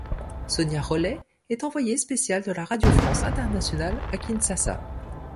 Sonia Rolley est envoyé spécial de la Radio France Internationale à Kinshasa.